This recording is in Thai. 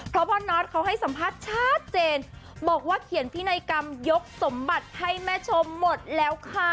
เพราะพ่อนอทเขาให้สัมภาษณ์ชัดเจนบอกว่าเขียนพินัยกรรมยกสมบัติให้แม่ชมหมดแล้วค่ะ